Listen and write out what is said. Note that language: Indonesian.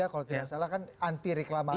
kalau tidak salah kan anti reklamasi